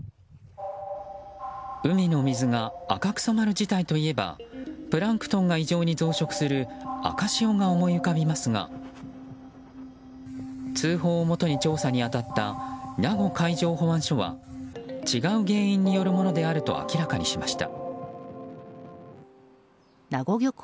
海の水が赤く染まる事態といえばプランクトンが異常に増殖する赤潮が思い浮かびますが通報をもとに調査に当たった名護海上保安署は違う原因によるものであると明らかにしました。